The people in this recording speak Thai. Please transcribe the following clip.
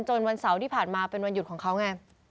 วันเสาร์ที่ผ่านมาเป็นวันหยุดของเขาไง